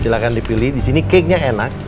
silahkan dipilih disini cake nya enak